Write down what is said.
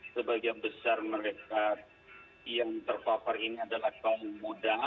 sebagian besar mereka yang terpapar ini adalah kaum muda